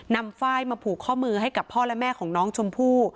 ฝ้ายมาผูกข้อมือให้กับพ่อและแม่ของน้องชมพู่